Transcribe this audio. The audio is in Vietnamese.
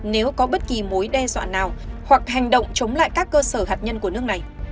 nếu có bất kỳ mối đe dọa nào hoặc hành động chống lại các cơ sở hạt nhân của nước này